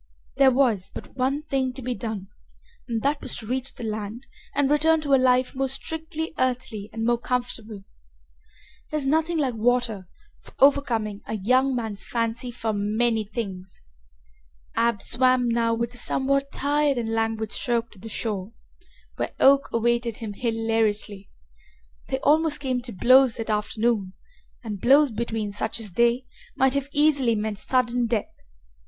There was but one thing to be done and that was to reach the land and return to a life more strictly earthly and more comfortable. There is nothing like water for overcoming a young man's fancy for many things. Ab swam now with a somewhat tired and languid stroke to the shore, where Oak awaited him hilariously. They almost came to blows that afternoon, and blows between such as they might have easily meant sudden death.